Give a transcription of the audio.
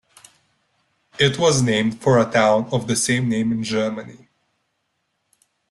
It was named for a town of the same name in Germany.